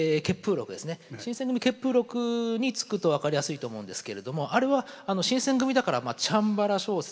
「新選組血風録」につくと分かりやすいと思うんですけれどもあれは新選組だからチャンバラ小説。